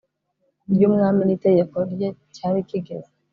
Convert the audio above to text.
ry umwami n itegeko rye cyari kigeze